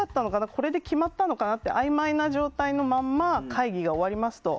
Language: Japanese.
これで決まったのかなってあいまいな状態なまま会議が終わりますと。